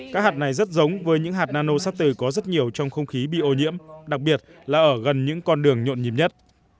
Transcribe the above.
các hạt này rất giống với những hạt nano sắp từ có rất nhiều trong không khí bị ô nhiễm đặc biệt là ở gần những con đường nhộn nhịp nhất